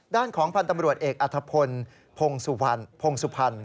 ด้านของพันธมรวชเอกอัธพลพงศุพร